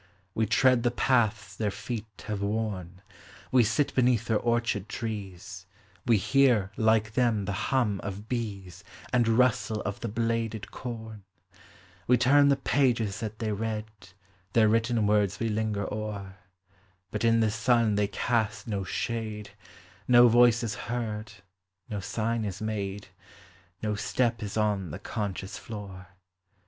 We tread the paths their feet have worn, We sit beneath their orchard trees. We hear, like them, the hum of bees And rustle of the bladed corn ; We turn the pages that they read, Their written words we linger o'er, But iu the sun they cast no shade, No voice is heard, no sign is made, No step is on the conscious floor!